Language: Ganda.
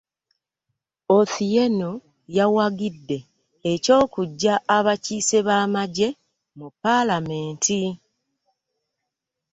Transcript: Othieno yawagidde eky'okuggya abakiise b'amajje mu palamenti